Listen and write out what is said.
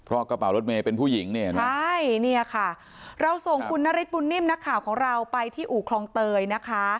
เพราะกระเป๋ารถเมย์เป็นผู้หญิงเนี่ยนะใช่เนี่ยค่ะเราส่งคุณนฤทธบุญนิ่มนักข่าวของเราไปที่อู่คลองเตยนะคะ